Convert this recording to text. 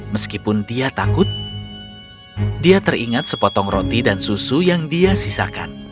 meskipun dia takut dia teringat sepotong roti dan susu yang dia sisakan